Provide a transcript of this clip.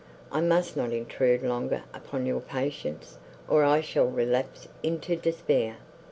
I must not intrude longer upon your patience, or I shall relapse into despair."